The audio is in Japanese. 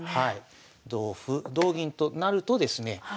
同歩同銀となるとですね